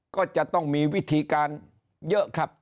ก็จะต้องมีวิธีการเยอะครับ